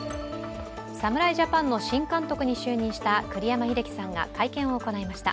侍ジャパンの新監督に就任した栗山英樹さんが会見を行いました。